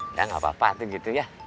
ya nggak apa apa tuh gitu ya